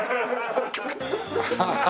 ハハハ。